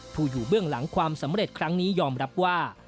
อยู่เบื้องหลังความสำเร็จครั้งนี้ยอมรับว่า